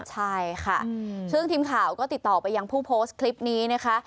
ใช่ค่ะซึ่งทีมข่าวก็ติดต่อไปยังผู้โพสต์คลิปนี้นะคะ